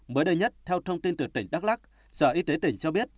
mới đây nhất theo thông tin từ tỉnh đắk lắc sở y tế tỉnh cho biết